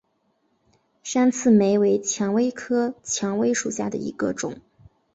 山刺玫为蔷薇科蔷薇属下的一个种。